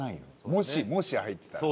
もしもし入ってたら。